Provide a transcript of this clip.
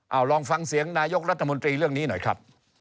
เอาลองฟังเสียงนายกรัฐมนตรีเรื่องนี้หน่อยครับ